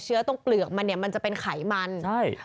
ตรงเปลือกมันเนี่ยมันจะเป็นไขมันใช่